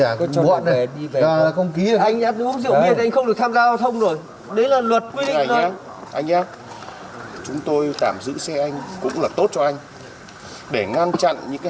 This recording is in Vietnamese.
anh ngậm hẳn vào anh ngậm hẳn vào ngậm hẳn vào đây này